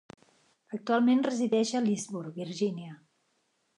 Actualment resideix a Leesburg, Virginia.